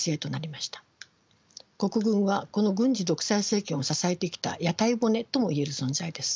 国軍はこの軍事独裁政権を支えてきた屋台骨とも言える存在です。